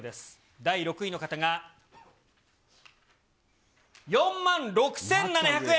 第６位の方が、４万６７００円。